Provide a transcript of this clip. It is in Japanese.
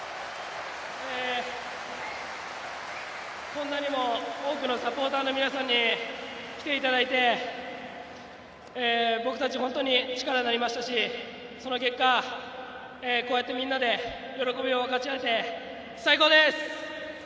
こんなにも多くのサポーターの皆さんに来ていただいて僕たち、本当に力になりましたしその結果、こうやってみんなで喜びを分かち合えて最高です！